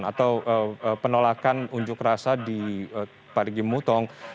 atau penolakan unjuk rasa di parigi mutong